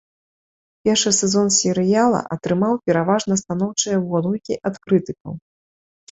Першы сезон серыяла атрымаў пераважна станоўчыя водгукі ад крытыкаў.